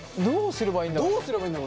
どうすればいいんだろうね。